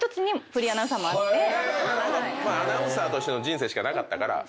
アナウンサーとしての人生しかなかったから。